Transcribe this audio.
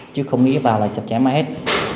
chứ không nghĩ vào là chặt chẽ má hết